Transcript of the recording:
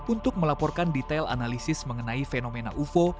untuk melaporkan detail analisis mengenai fenomena ufo